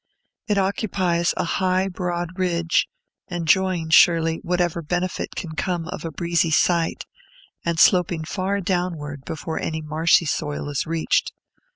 It occupies a high, broad ridge, enjoying, surely, whatever benefit can come of a breezy site, and sloping far downward before any marshy soil is reached.